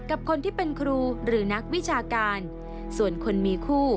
กับคนที่เป็นครูหรือนักวิชาการส่วนคนมีคู่